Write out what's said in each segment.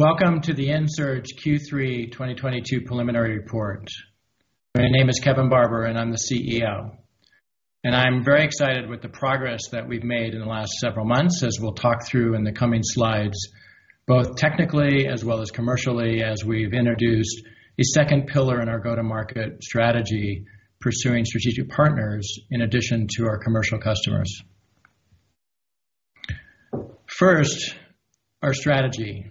Welcome to the Ensurge Q3 2022 preliminary report. My name is Kevin Barber, and I'm the CEO. I'm very excited with the progress that we've made in the last several months, as we'll talk through in the coming slides, both technically as well as commercially, as we've introduced a second pillar in our go-to-market strategy, pursuing strategic partners in addition to our commercial customers. First, our strategy.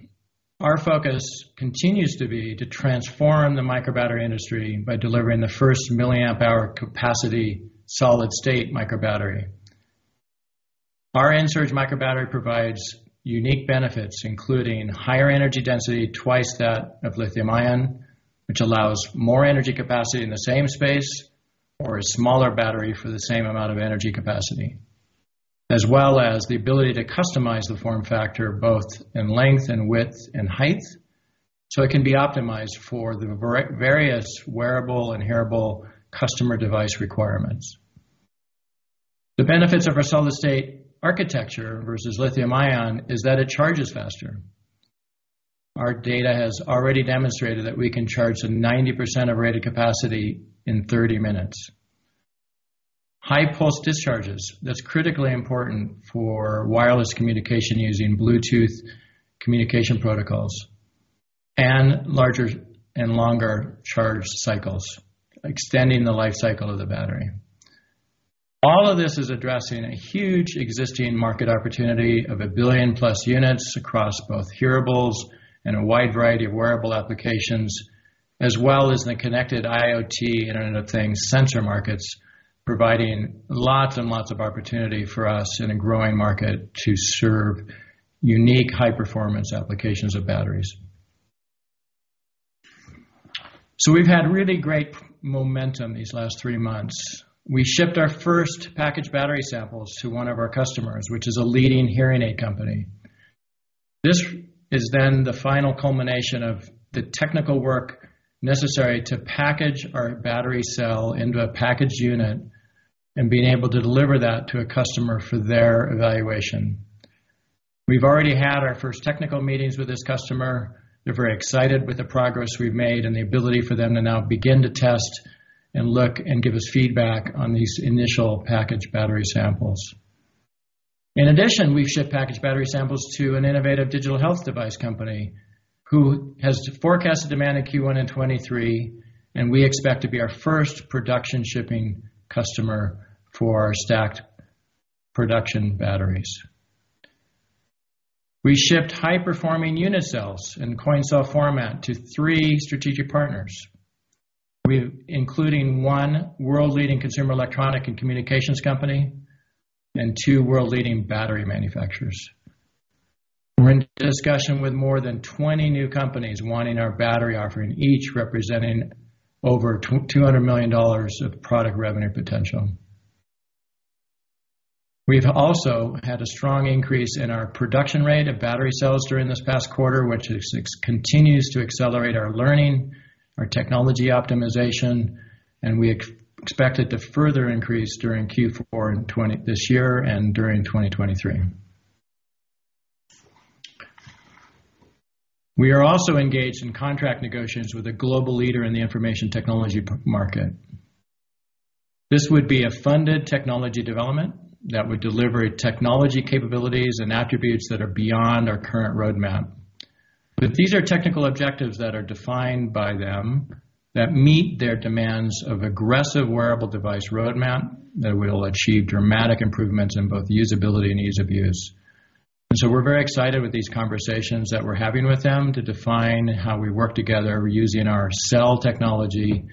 Our focus continues to be to transform the microbattery industry by delivering the first milliamp-hour capacity solid-state microbattery. Our Ensurge microbattery provides unique benefits, including higher energy density, twice that of lithium-ion, which allows more energy capacity in the same space or a smaller battery for the same amount of energy capacity, as well as the ability to customize the form factor, both in length and width and height, so it can be optimized for the various wearable and hearable customer device requirements. The benefits of our solid-state architecture versus lithium-ion is that it charges faster. Our data has already demonstrated that we can charge 90% of rated capacity in 30 minutes. High pulse discharges, that's critically important for wireless communication using Bluetooth communication protocols and larger and longer charge cycles, extending the life cycle of the battery. All of this is addressing a huge existing market opportunity of 1 billion+ units across both hearables and a wide variety of wearable applications, as well as the connected IoT, Internet of Things, sensor markets, providing lots and lots of opportunity for us in a growing market to serve unique high-performance applications of batteries. We've had really great momentum these last three months. We shipped our first packaged battery samples to one of our customers, which is a leading hearing aid company. This is then the final culmination of the technical work necessary to package our battery cell into a packaged unit and being able to deliver that to a customer for their evaluation. We've already had our first technical meetings with this customer. They're very excited with the progress we've made and the ability for them to now begin to test and look and give us feedback on these initial packaged battery samples. In addition, we've shipped packaged battery samples to an innovative digital health device company who has forecasted demand in Q1 2023, and we expect to be our first production shipping customer for our stacked production batteries. We shipped high-performing unit cells in coin cell format to three strategic partners, including one world-leading consumer electronics and communications company and two world-leading battery manufacturers. We're in discussion with more than 20 new companies wanting our battery offering, each representing over $200 million of product revenue potential. We've also had a strong increase in our production rate of battery cells during this past quarter, which continues to accelerate our learning, our technology optimization, and we expect it to further increase during Q4 this year and during 2023. We are also engaged in contract negotiations with a global leader in the information technology market. This would be a funded technology development that would deliver technology capabilities and attributes that are beyond our current roadmap. These are technical objectives that are defined by them that meet their demands of aggressive wearable device roadmap that will achieve dramatic improvements in both usability and ease of use. We're very excited with these conversations that we're having with them to define how we work together using our cell technology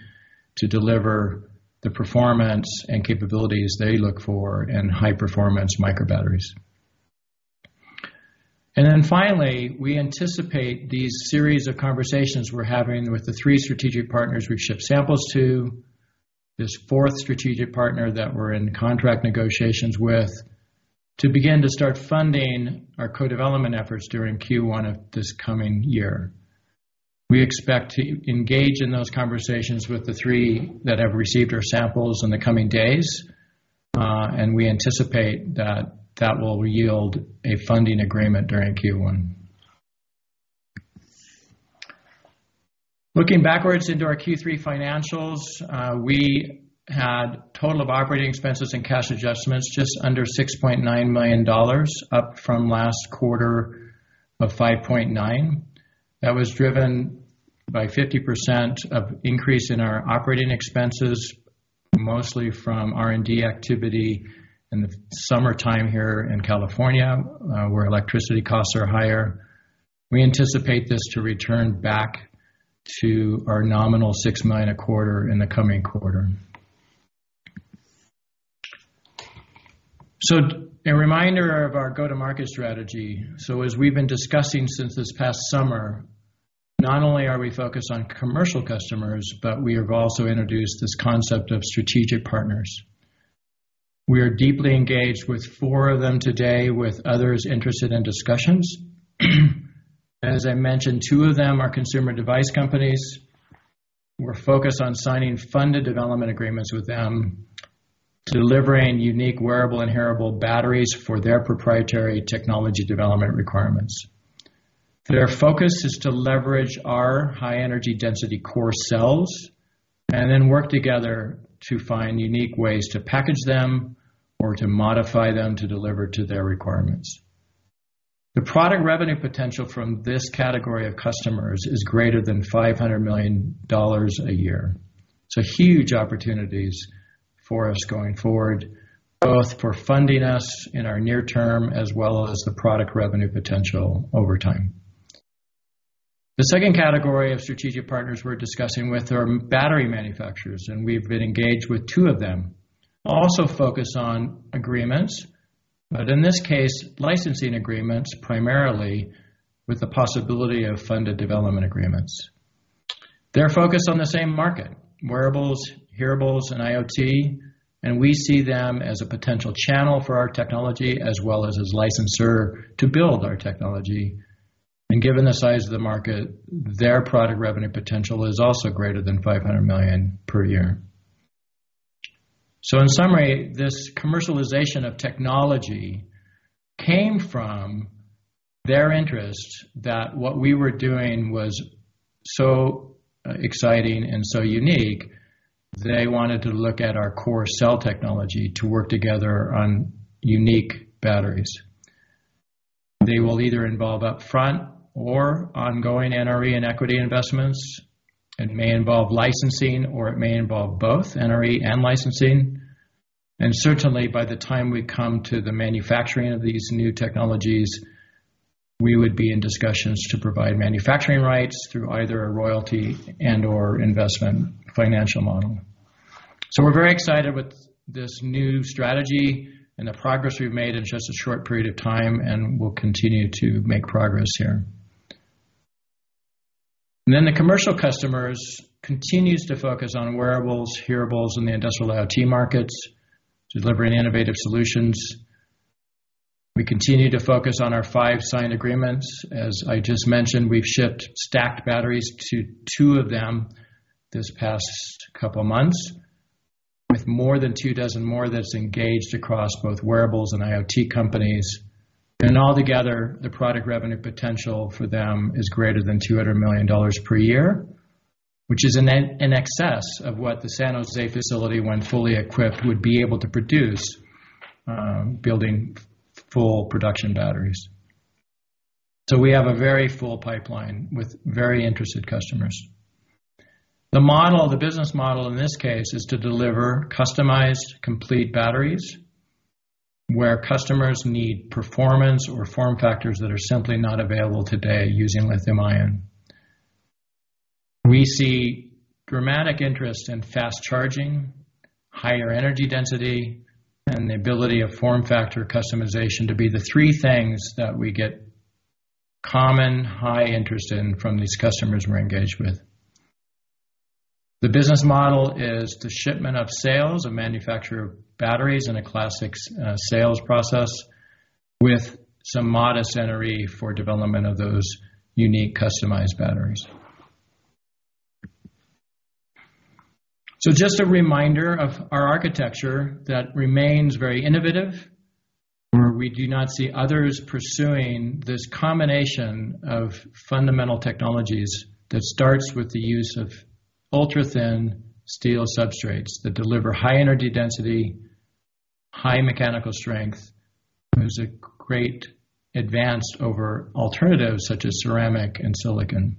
to deliver the performance and capabilities they look for in high-performance microbatteries. Finally, we anticipate these series of conversations we're having with the three strategic partners we've shipped samples to, this fourth strategic partner that we're in contract negotiations with, to begin to start funding our co-development efforts during Q1 of this coming year. We expect to engage in those conversations with the three that have received our samples in the coming days, and we anticipate that that will yield a funding agreement during Q1. Looking backwards into our Q3 financials, we had total of operating expenses and cash adjustments just under $6.9 million, up from last quarter of $5.9 million. That was driven by 50% increase in our operating expenses, mostly from R&D activity in the summertime here in California, where electricity costs are higher. We anticipate this to return back to our nominal $6 million a quarter in the coming quarter. A reminder of our go-to-market strategy. As we've been discussing since this past summer, not only are we focused on commercial customers, but we have also introduced this concept of strategic partners. We are deeply engaged with four of them today, with others interested in discussions. As I mentioned, two of them are consumer device companies. We're focused on signing funded development agreements with them, delivering unique wearable and hearable batteries for their proprietary technology development requirements. Their focus is to leverage our high energy density core cells and then work together to find unique ways to package them or to modify them to deliver to their requirements. The product revenue potential from this category of customers is greater than $500 million a year. Huge opportunities for us going forward, both for funding us in our near term as well as the product revenue potential over time. The second category of strategic partners we're discussing with are battery manufacturers, and we've been engaged with two of them. Also focus on agreements, but in this case, licensing agreements, primarily with the possibility of funded development agreements. They're focused on the same market, wearables, hearables and IoT, and we see them as a potential channel for our technology as well as licensees to build our technology. Given the size of the market, their product revenue potential is also greater than $500 million per year. In summary, this commercialization of technology came from their interest that what we were doing was so exciting and so unique, they wanted to look at our core cell technology to work together on unique batteries. They will either involve upfront or ongoing NRE and equity investments. It may involve licensing, or it may involve both NRE and licensing. Certainly by the time we come to the manufacturing of these new technologies, we would be in discussions to provide manufacturing rights through either a royalty and/or investment financial model. We're very excited with this new strategy and the progress we've made in just a short period of time, and we'll continue to make progress here. The commercial customers continues to focus on wearables, hearables and the industrial IoT markets, delivering innovative solutions. We continue to focus on our five signed agreements. As I just mentioned, we've shipped stacked batteries to two of them this past couple of months, with more than two dozen more that's engaged across both wearables and IoT companies. All together, the product revenue potential for them is greater than $200 million per year, which is in excess of what the San Jose facility, when fully equipped, would be able to produce, building full production batteries. We have a very full pipeline with very interested customers. The business model in this case is to deliver customized complete batteries where customers need performance or form factors that are simply not available today using lithium-ion. We see dramatic interest in fast charging, higher energy density, and the ability of form factor customization to be the three things that we get common high interest in from these customers we're engaged with. The business model is the shipment and sales of manufactured batteries in a classic sales process with some modest NRE for development of those unique customized batteries. Just a reminder of our architecture that remains very innovative, where we do not see others pursuing this combination of fundamental technologies that starts with the use of ultrathin stainless-steel substrates that deliver high energy density, high mechanical strength, and is a great advance over alternatives such as ceramic and silicon.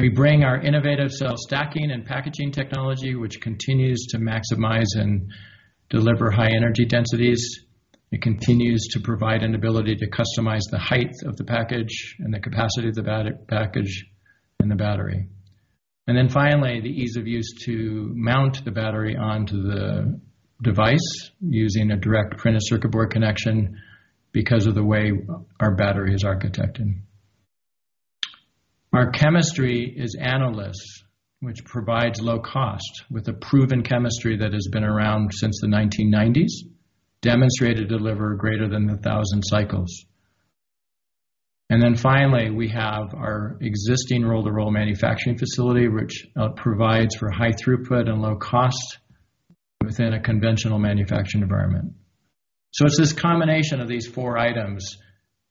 We bring our innovative cell stacking and packaging technology, which continues to maximize and deliver high energy densities. It continues to provide an ability to customize the height of the package and the capacity of the battery package and the battery. Finally, the ease of use to mount the battery onto the device using a direct printed circuit board connection because of the way our battery is architected. Our chemistry is anode-less, which provides low cost with a proven chemistry that has been around since the 1990s and demonstrated to deliver greater than 1,000 cycles. Finally, we have our existing roll-to-roll manufacturing facility, which provides for high throughput and low cost within a conventional manufacturing environment. It's this combination of these four items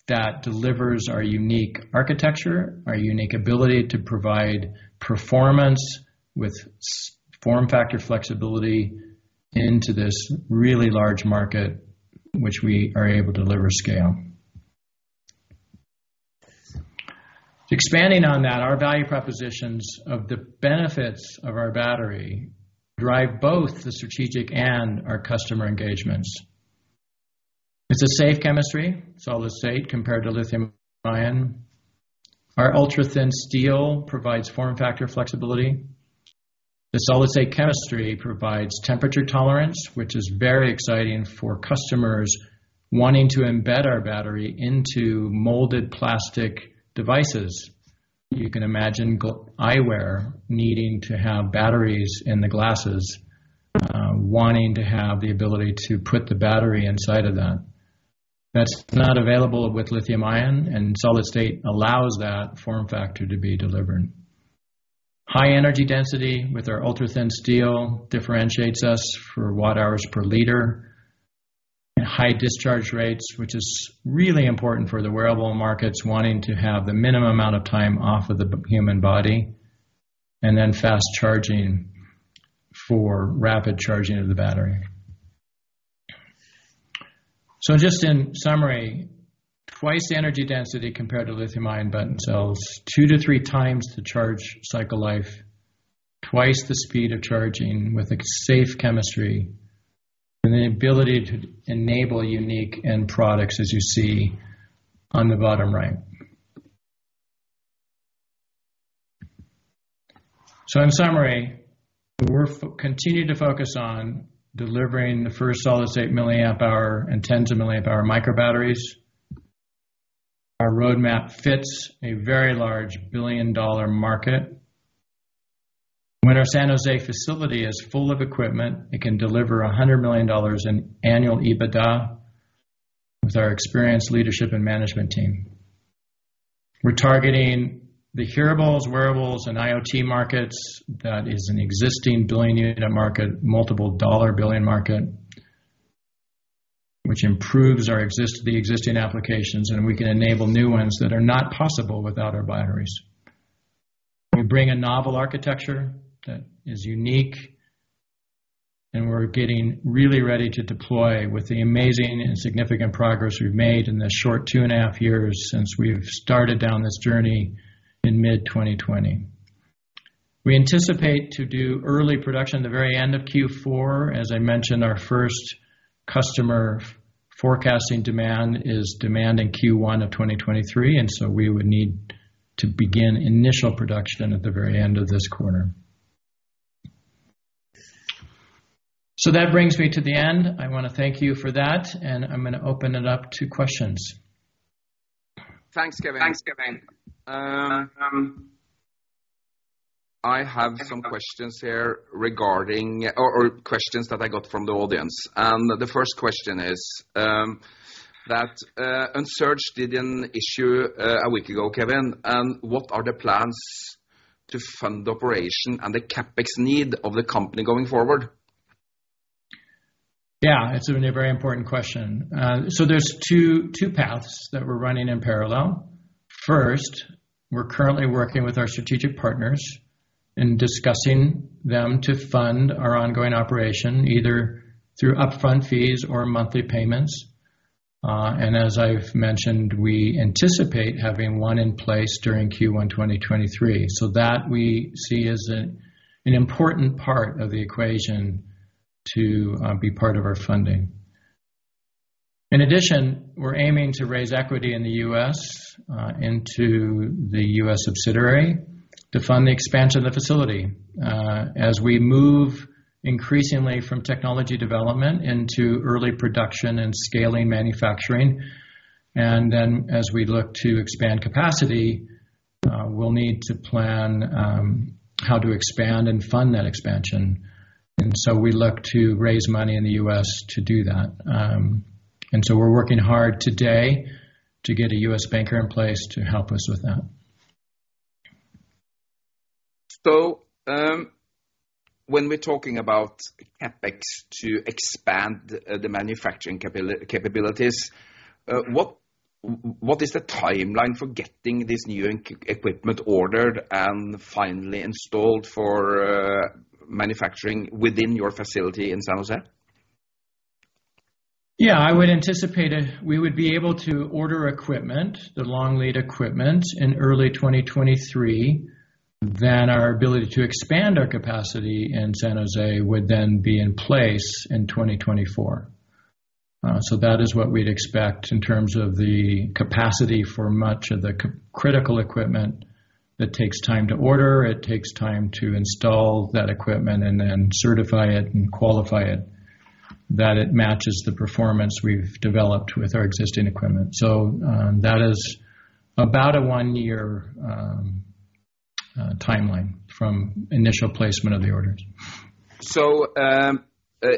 that delivers our unique architecture, our unique ability to provide performance with small-form-factor flexibility into this really large market, which we are able to deliver scale. Expanding on that, our value propositions of the benefits of our battery drive both the strategic and our customer engagements. It's a safe chemistry, solid-state, compared to lithium-ion. Our ultrathin stainless-steel provides form factor flexibility. The solid-state chemistry provides temperature tolerance, which is very exciting for customers wanting to embed our battery into molded plastic devices. You can imagine eyewear needing to have batteries in the glasses, wanting to have the ability to put the battery inside of that. That's not available with lithium-ion, and solid-state allows that form factor to be delivered. High energy density with our ultrathin stainless-steel differentiates us for watt-hours per liter, and high discharge rates, which is really important for the wearable markets wanting to have the minimum amount of time off of the human body, and then fast charging for rapid charging of the battery. Just in summary, twice the energy density compared to lithium-ion button cells, two to three times the charge cycle life, twice the speed of charging with a safe chemistry, and the ability to enable unique end products as you see on the bottom right. In summary, we continue to focus on delivering the first solid-state milliamp-hour and tens of milliamp-hour microbatteries. Our roadmap fits a very large billion-dollar market. When our San Jose facility is full of equipment, it can deliver $100 million in annual EBITDA with our experienced leadership and management team. We're targeting the hearables, wearables, and IoT markets. That is an existing billion-unit market, multi-billion-dollar market, which improves the existing applications, and we can enable new ones that are not possible without our batteries. We bring a novel architecture that is unique, and we're getting really ready to deploy with the amazing and significant progress we've made in this short two and a half years since we've started down this journey in mid-2020. We anticipate to do early production at the very end of Q4. As I mentioned, our first customer forecasting demand is demand in Q1 of 2023, and so we would need to begin initial production at the very end of this quarter. That brings me to the end. I wanna thank you for that, and I'm gonna open it up to questions. Thanks, Kevin. I have some questions that I got from the audience. The first question is that Ensurge did an issuance a week ago, Kevin, and what are the plans to fund the operation and the CapEx need of the company going forward? Yeah, it's a very important question. There's two paths that we're running in parallel. First, we're currently working with our strategic partners and discussing them to fund our ongoing operation, either through upfront fees or monthly payments. As I've mentioned, we anticipate having one in place during Q1 2023. That we see as an important part of the equation to be part of our funding. In addition, we're aiming to raise equity in the U.S. into the U.S. subsidiary to fund the expansion of the facility. As we move increasingly from technology development into early production and scaling manufacturing, and then as we look to expand capacity, we'll need to plan how to expand and fund that expansion. We look to raise money in the U.S. to do that. We're working hard today to get a U.S. banker in place to help us with that. When we're talking about CapEx to expand the manufacturing capabilities, what is the timeline for getting this new equipment ordered and finally installed for manufacturing within your facility in San Jose? Yeah, I would anticipate we would be able to order equipment, the long lead equipment in early 2023, then our ability to expand our capacity in San Jose would then be in place in 2024. That is what we'd expect in terms of the capacity for much of the critical equipment that takes time to order, it takes time to install that equipment and then certify it and qualify it, that it matches the performance we've developed with our existing equipment. That is about a one-year timeline from initial placement of the orders.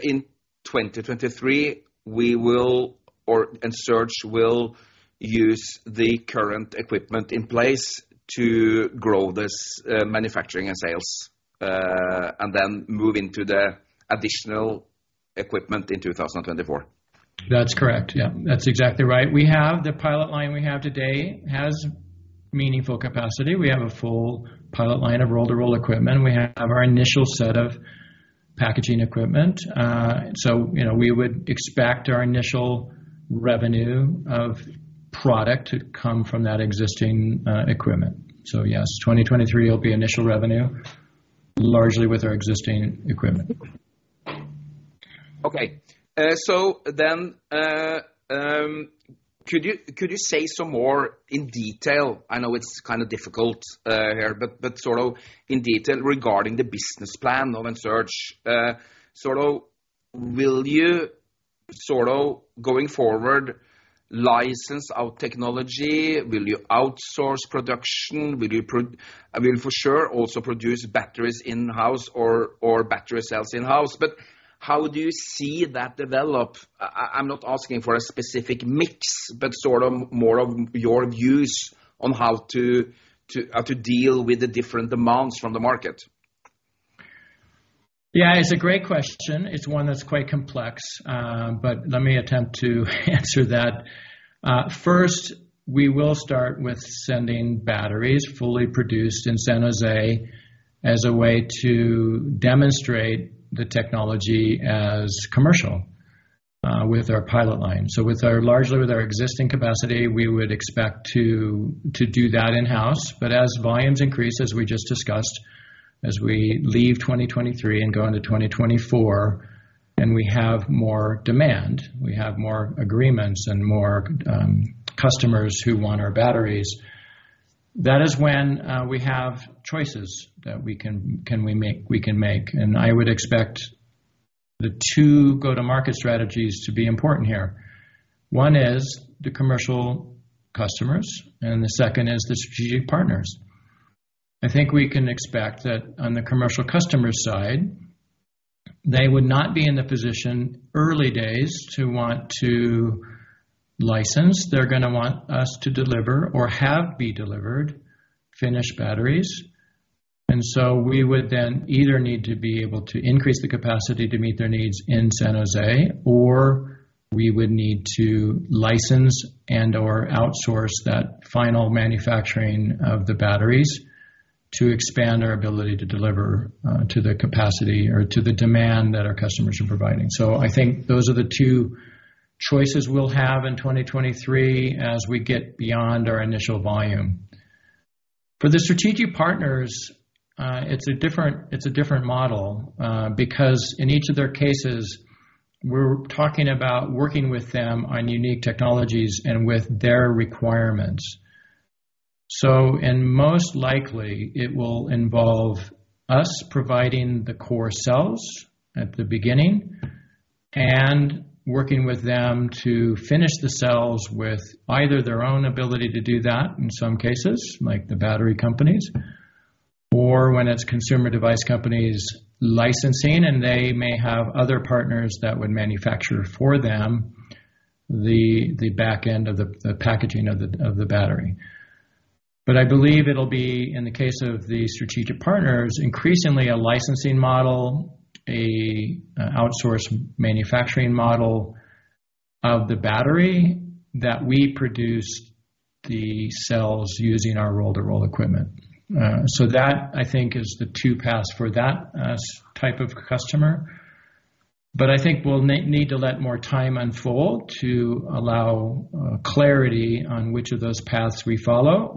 in 2023, we will or Ensurge will use the current equipment in place to grow this manufacturing and sales, and then move into the additional equipment in 2024. That's correct. Yeah. That's exactly right. The pilot line we have today has meaningful capacity. We have a full pilot line of roll-to-roll equipment, and we have our initial set of packaging equipment. You know, we would expect our initial revenue of product to come from that existing equipment. Yes, 2023 will be initial revenue, largely with our existing equipment. Okay. Could you say some more in detail? I know it's kind of difficult here, but sort of in detail regarding the business plan of Ensurge. Sort of will you going forward license out technology? Will you outsource production? Will for sure also produce batteries in-house or battery cells in-house? How do you see that develop? I'm not asking for a specific mix, but sort of more of your views on how to deal with the different demands from the market. Yeah, it's a great question. It's one that's quite complex, but let me attempt to answer that. First, we will start with sending batteries fully produced in San Jose as a way to demonstrate the technology as commercial, with our pilot line. Largely with our existing capacity, we would expect to do that in-house. As volumes increase, as we just discussed, as we leave 2023 and go into 2024, and we have more demand, we have more agreements and more customers who want our batteries, that is when we have choices that we can make. I would expect the two go-to-market strategies to be important here. One is the commercial customers, and the second is the strategic partners. I think we can expect that on the commercial customer side, they would not be in the position early days to want to license. They're gonna want us to deliver or have be delivered finished batteries. We would then either need to be able to increase the capacity to meet their needs in San Jose, or we would need to license and/or outsource that final manufacturing of the batteries to expand our ability to deliver to the capacity or to the demand that our customers are providing. I think those are the two choices we'll have in 2023 as we get beyond our initial volume. For the strategic partners, it's a different model because in each of their cases, we're talking about working with them on unique technologies and with their requirements. Most likely, it will involve us providing the core cells at the beginning and working with them to finish the cells with either their own ability to do that, in some cases, like the battery companies, or when it's consumer device companies licensing, and they may have other partners that would manufacture for them the back end of the battery. I believe it'll be, in the case of the strategic partners, increasingly a licensing model, a outsource manufacturing model of the battery that we produce the cells using our roll-to-roll equipment. That, I think, is the two paths for that as type of customer. I think we'll need to let more time unfold to allow clarity on which of those paths we follow.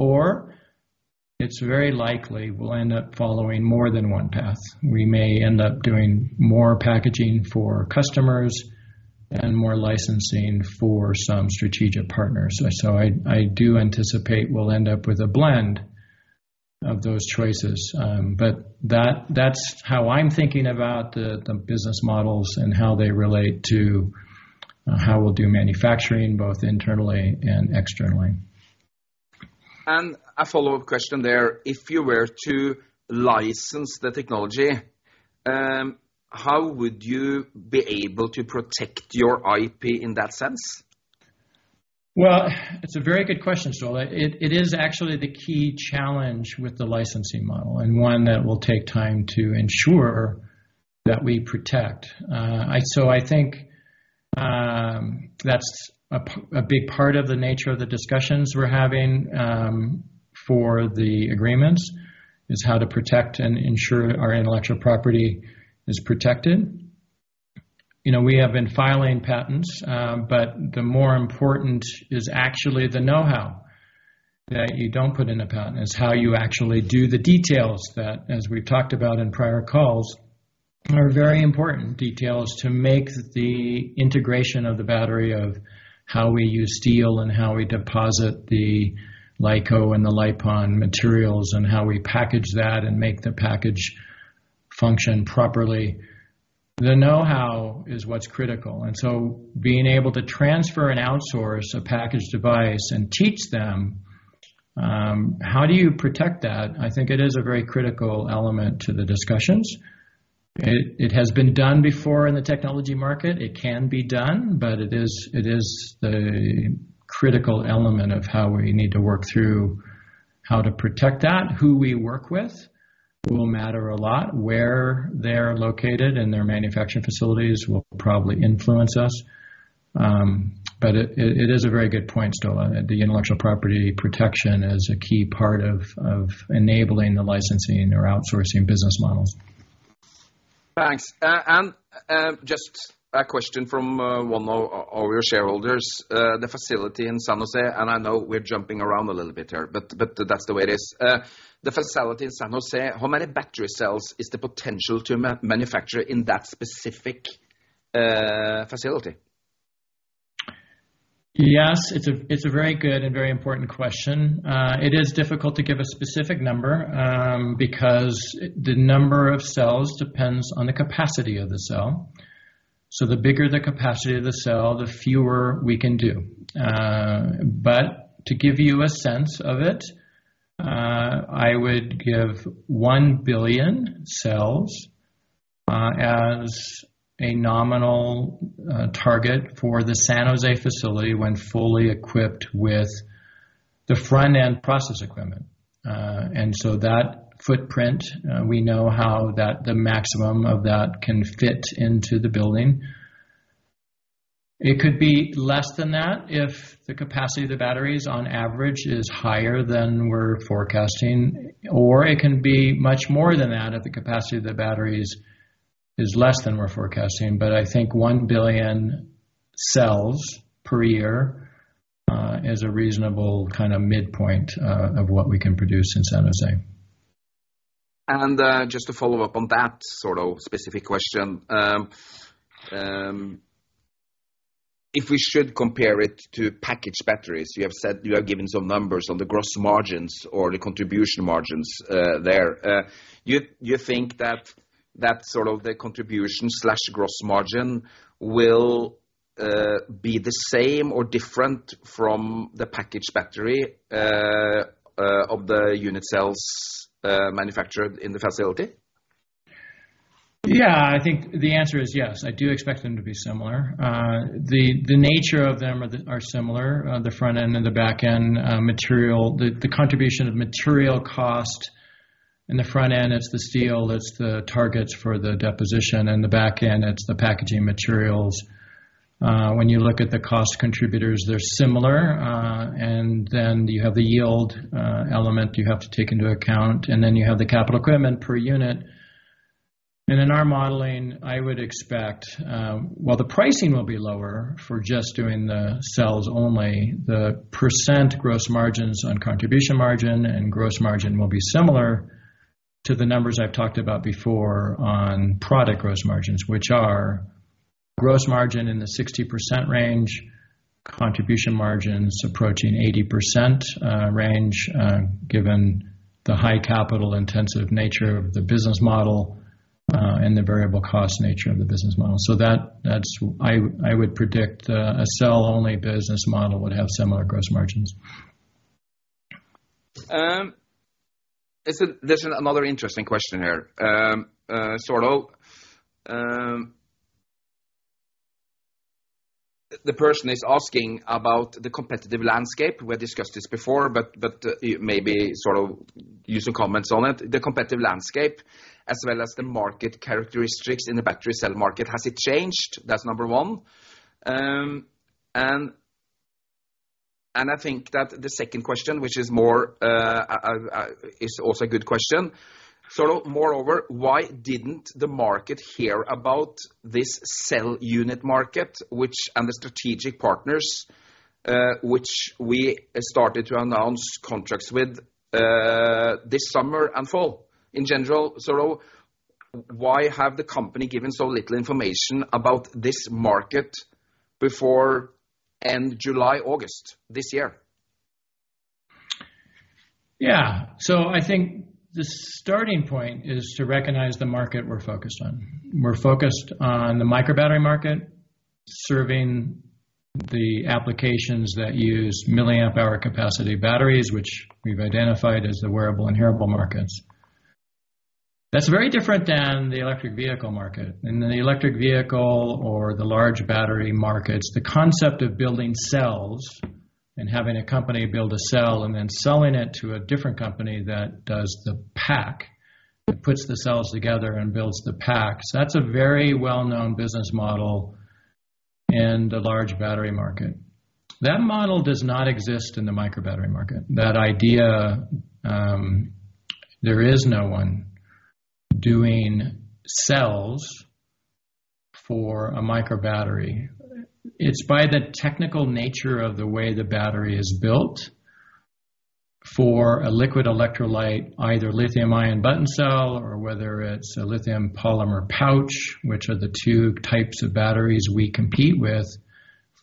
It's very likely we'll end up following more than one path. We may end up doing more packaging for customers and more licensing for some strategic partners. I do anticipate we'll end up with a blend of those choices. That's how I'm thinking about the business models and how they relate to how we'll do manufacturing, both internally and externally. A follow-up question there. If you were to license the technology, how would you be able to protect your IP in that sense? Well, it's a very good question, Ståle. It is actually the key challenge with the licensing model, and one that will take time to ensure that we protect. I think that's a big part of the nature of the discussions we're having for the agreements, is how to protect and ensure our intellectual property is protected. You know, we have been filing patents, but the more important is actually the know-how that you don't put in a patent. It's how you actually do the details that, as we've talked about in prior calls, are very important details to make the integration of the battery of how we use steel and how we deposit the LiCoO2 and the LIPON materials and how we package that and make the package function properly. The know-how is what's critical. Being able to transfer and outsource a packaged device and teach them, how do you protect that? I think it is a very critical element to the discussions. It has been done before in the technology market. It can be done, but it is the critical element of how we need to work through how to protect that. Who we work with will matter a lot. Where they're located and their manufacturing facilities will probably influence us. It is a very good point, Ståle. The intellectual property protection is a key part of enabling the licensing or outsourcing business models. Thanks. Just a question from one of our shareholders. The facility in San José, and I know we're jumping around a little bit here, but that's the way it is. The facility in San José, how many battery cells is the potential to manufacture in that specific facility? Yes, it's a very good and very important question. It is difficult to give a specific number, because the number of cells depends on the capacity of the cell. The bigger the capacity of the cell, the fewer we can do. But to give you a sense of it, I would give one billion cells as a nominal target for the San Jose facility when fully equipped with the front-end process equipment. That footprint, we know that the maximum of that can fit into the building. It could be less than that if the capacity of the batteries on average is higher than we're forecasting, or it can be much more than that if the capacity of the batteries is less than we're forecasting. I think one billion cells per year is a reasonable kinda midpoint of what we can produce in San Jose. Just to follow up on that sort of specific question. If we should compare it to packaged batteries, you have said you have given some numbers on the gross margins or the contribution margins there. You think that that's sort of the contribution/gross margin will be the same or different from the packaged battery of the unit cells manufactured in the facility? Yeah, I think the answer is yes. I do expect them to be similar. The nature of them are similar, the front-end and the back-end material. The contribution of material cost in the front-end, it's the steel, it's the targets for the deposition. In the back-end, it's the packaging materials. When you look at the cost contributors, they're similar. You have the yield element you have to take into account, and then you have the capital equipment per unit. In our modeling, I would expect, while the pricing will be lower for just doing the cells only, the percent gross margins on contribution margin and gross margin will be similar to the numbers I've talked about before on product gross margins, which are gross margin in the 60% range, contribution margins approaching 80% range, given the high capital-intensive nature of the business model, and the variable cost nature of the business model. I would predict, a cell-only business model would have similar gross margins. There's another interesting question here. Sort of, the person is asking about the competitive landscape. We had discussed this before, but maybe sort of use some comments on it. The competitive landscape as well as the market characteristics in the battery cell market, has it changed? That's number one. I think that the second question, which is more is also a good question. Sort of moreover, why didn't the market hear about this unit cell market, which we started to announce contracts with this summer and fall? In general, sort of why have the company given so little information about this market before end July, August this year? Yeah. I think the starting point is to recognize the market we're focused on. We're focused on the microbattery market, serving the applications that use milliamp-hour capacity batteries, which we've identified as the wearable and hearable markets. That's very different than the electric vehicle market. In the electric vehicle or the large battery markets, the concept of building cells and having a company build a cell and then selling it to a different company that does the pack, that puts the cells together and builds the packs, that's a very well-known business model in the large battery market. That model does not exist in the microbattery market. That idea, there is no one doing cells for a microbattery. It's by the technical nature of the way the battery is built for a liquid electrolyte, either lithium-ion button cell or whether it's a lithium polymer pouch, which are the two types of batteries we compete with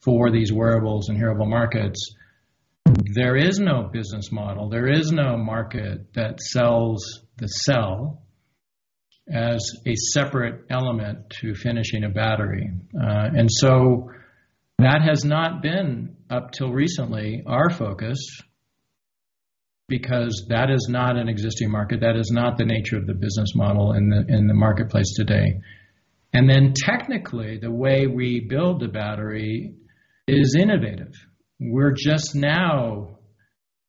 for these wearables and hearable markets. There is no business model. There is no market that sells the cell as a separate element to finishing a battery. That has not been, up till recently, our focus because that is not an existing market. That is not the nature of the business model in the, in the marketplace today. Technically, the way we build the battery is innovative. We're just now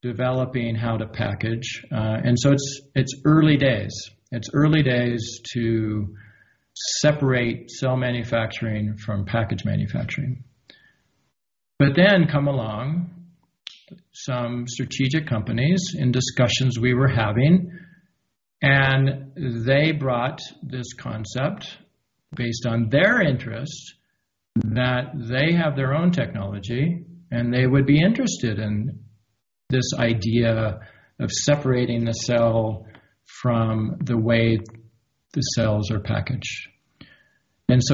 developing how to package. It's early days. It's early days to separate cell manufacturing from package manufacturing. Came along some strategic companies in discussions we were having, and they brought this concept based on their interest that they have their own technology, and they would be interested in this idea of separating the cell from the way the cells are packaged.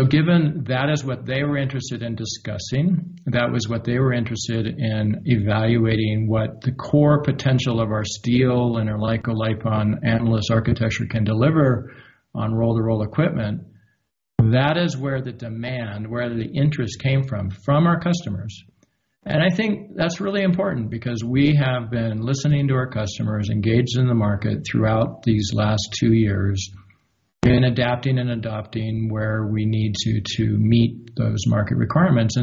Given that is what they were interested in discussing, that was what they were interested in evaluating what the core potential of our steel and our LiCoO2 LIPON anode-less architecture can deliver on roll-to-roll equipment. That is where the demand, where the interest came from our customers. I think that's really important because we have been listening to our customers, engaged in the market throughout these last two years and adapting and adopting where we need to meet those market requirements.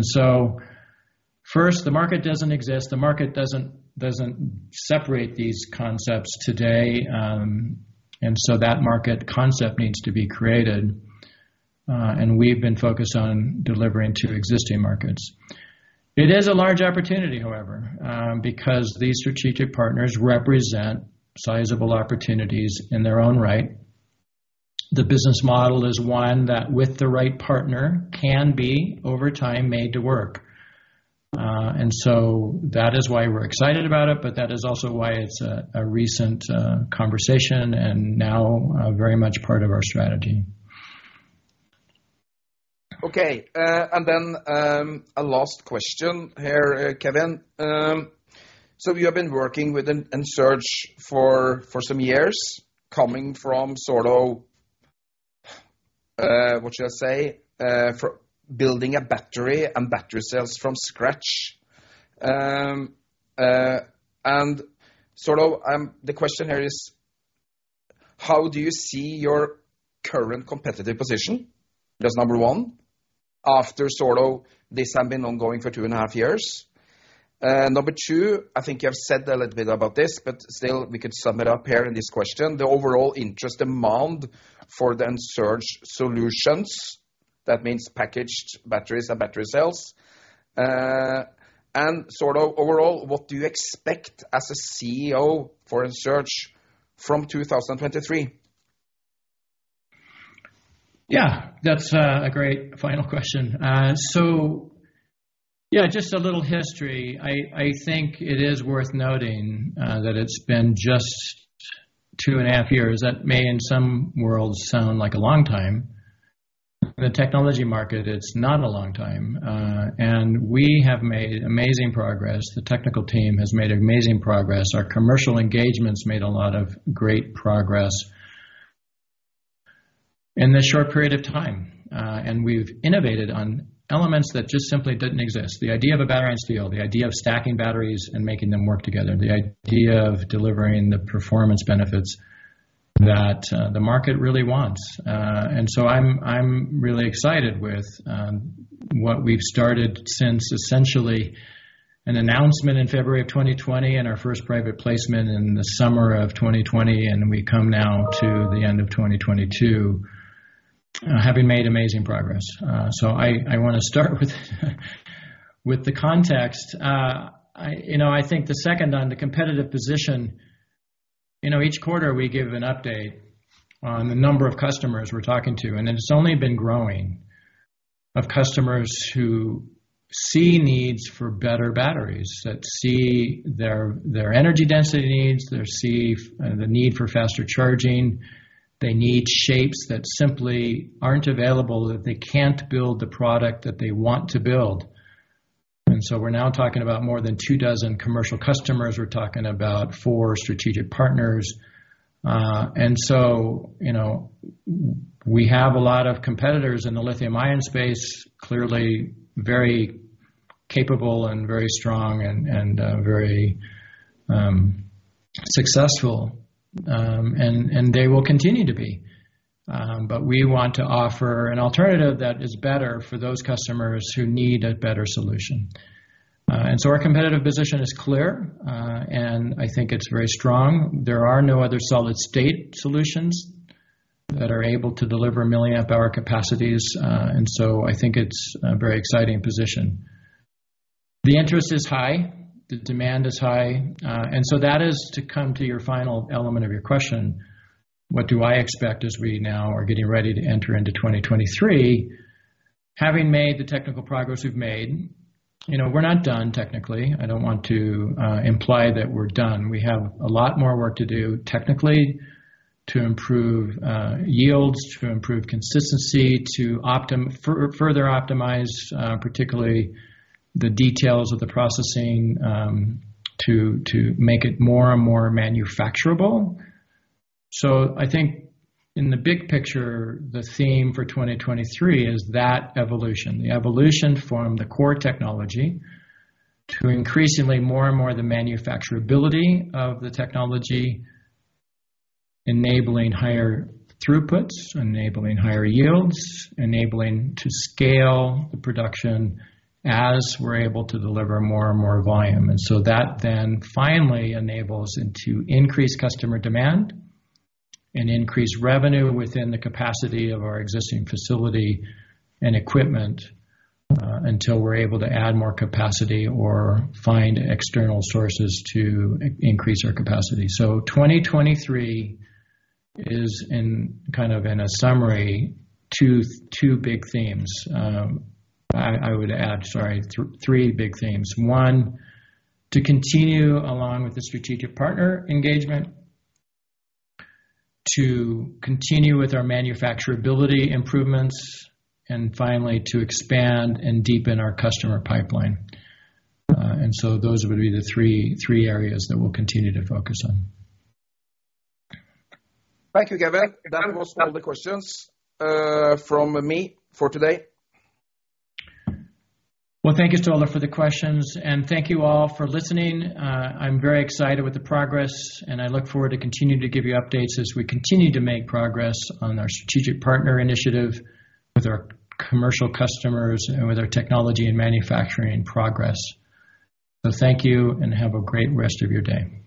First, the market doesn't exist. The market doesn't separate these concepts today. That market concept needs to be created, and we've been focused on delivering to existing markets. It is a large opportunity, however, because these strategic partners represent sizable opportunities in their own right. The business model is one that with the right partner can be, over time, made to work. That is why we're excited about it, but that is also why it's a recent conversation and now very much part of our strategy. Okay. A last question here, Kevin. You have been working with Ensurge for some years, coming from sort of, what should I say? For building a battery and battery cells from scratch. And sort of, the question here is, how do you see your current competitive position, that's number one, after sort of this has been ongoing for 2.5 years? Number two, I think you have said a little bit about this, but still we could sum it up here in this question, the overall interest demand for the Ensurge solutions, that means packaged batteries and battery cells. And sort of overall, what do you expect as a CEO for Ensurge from 2023? Yeah, that's a great final question. Yeah, just a little history. I think it is worth noting that it's been just two and a half years. That may in some worlds sound like a long time. In the technology market, it's not a long time. We have made amazing progress. The technical team has made amazing progress. Our commercial engagements made a lot of great progress in this short period of time. We've innovated on elements that just simply didn't exist. The idea of a battery on steel, the idea of stacking batteries and making them work together, the idea of delivering the performance benefits that the market really wants. I'm really excited with what we've started since essentially an announcement in February of 2020 and our first private placement in the summer of 2020, and we come now to the end of 2022, having made amazing progress. I wanna start with the context. You know, I think then on the competitive position. You know, each quarter we give an update on the number of customers we're talking to, and it's only been growing of customers who see needs for better batteries, that see their energy density needs. They see the need for faster charging. They need shapes that simply aren't available, that they can't build the product that they want to build. We're now talking about more than 24 commercial customers. We're talking about four strategic partners. We have a lot of competitors in the lithium-ion space, clearly very capable and very strong and very successful. They will continue to be. We want to offer an alternative that is better for those customers who need a better solution. Our competitive position is clear, and I think it's very strong. There are no other solid-state solutions that are able to deliver milliamp-hour capacities, and I think it's a very exciting position. The interest is high, the demand is high, that is to come to your final element of your question, what do I expect as we now are getting ready to enter into 2023? Having made the technical progress we've made, you know, we're not done technically. I don't want to imply that we're done. We have a lot more work to do technically to improve yields, to improve consistency, to further optimize, particularly the details of the processing, to make it more and more manufacturable. I think in the big picture, the theme for 2023 is that evolution. The evolution from the core technology to increasingly more and more the manufacturability of the technology, enabling higher throughputs, enabling higher yields, enabling to scale the production as we're able to deliver more and more volume. That then finally enables into increased customer demand and increased revenue within the capacity of our existing facility and equipment, until we're able to add more capacity or find external sources to increase our capacity. 2023 is in kind of a summary, two big themes. I would add, sorry, three big themes. One, to continue along with the strategic partner engagement, to continue with our manufacturability improvements, and finally to expand and deepen our customer pipeline. Those would be the three areas that we'll continue to focus on. Thank you, Kevin. That was all the questions from me for today. Well, thank you, Ståle, for the questions, and thank you all for listening. I'm very excited with the progress, and I look forward to continuing to give you updates as we continue to make progress on our strategic partner initiative with our commercial customers and with our technology and manufacturing progress. Thank you and have a great rest of your day.